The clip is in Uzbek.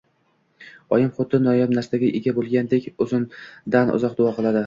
Oyim xuddi noyob narsaga ega bo‘lgandek, uzundanuzoq duo qiladi.